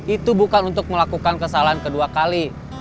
itu bukan untuk melakukan kesalahan kedua kali